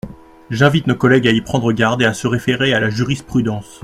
J’invite nos collègues à y prendre garde et à se référer à la jurisprudence.